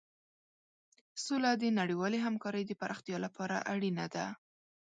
سوله د نړیوالې همکارۍ د پراختیا لپاره اړینه ده.